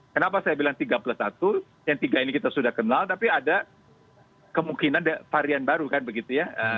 kenapa saya bilang tiga plus satu yang tiga ini kita sudah kenal tapi ada kemungkinan varian baru kan begitu ya